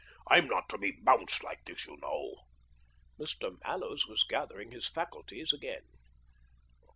I'm not to he hounced like this, you know." Mr. Mallows was gathering his faculties again.